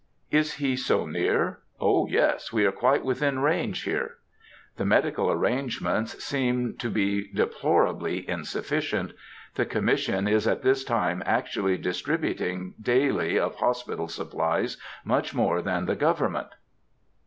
"Is he so near?" "O yes! we are quite within range here." The medical arrangements seem to be deplorably insufficient. The Commission is at this time actually distributing daily of hospital supplies much more than the government.